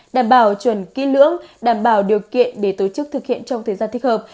đảm bảo chuẩn kỹ lưỡng đảm bảo điều kiện để tổ chức thực hiện trong thời gian thích hợp